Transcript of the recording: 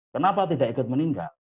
kenapa tidak ikut meninggal